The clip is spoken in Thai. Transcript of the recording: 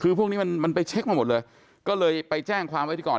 คือพวกนี้มันมันไปเช็คมาหมดเลยก็เลยไปแจ้งความไว้ที่ก่อน